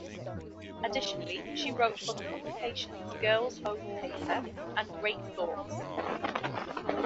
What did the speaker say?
Additionally she wrote for the publications "Girl’s Own Paper" and "Great Thoughts".